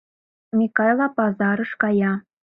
МИКАЙЛА ПАЗАРЫШ КАЯ